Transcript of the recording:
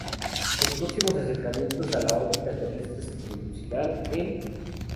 Los próximos acercamientos a la órbita terrestre se producirán el.